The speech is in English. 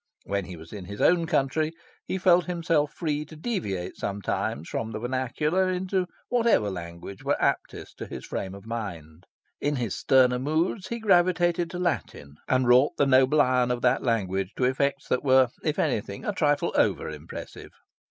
When he was in his own country he felt himself free to deviate sometimes from the vernacular into whatever language were aptest to his frame of mind. In his sterner moods he gravitated to Latin, and wrought the noble iron of that language to effects that were, if anything, a trifle over impressive.